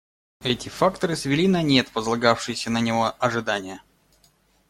Эти факторы свели на нет возлагавшиеся на него ожидания.